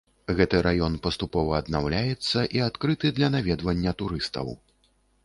Гэты раён паступова аднаўляецца і адкрыты для наведвання турыстаў.